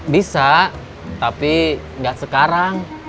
bisa tapi gak sekarang